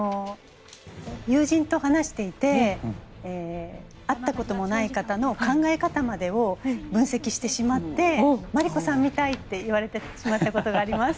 友人と話していて会ったこともない方の考え方までを分析してしまってマリコさんみたいって言われてしまったことがあります。